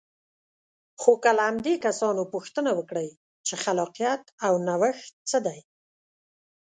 خو که له همدې کسانو پوښتنه وکړئ چې خلاقیت او نوښت څه دی.